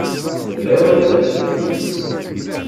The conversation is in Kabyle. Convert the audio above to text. D lawan ad nebdu tikli.